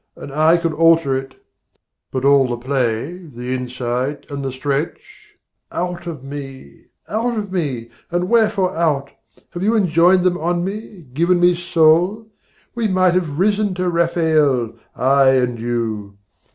and I could alter it: But all the play, the insight and the stretch (Out of me, out of me! And wherefore out? Had you enjoined them on me, given me soul, We might have risen to Rafael, I and you!